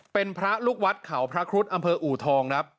เป็นพระลูกวัดเขาพระครุฑอำเภออูทองครับ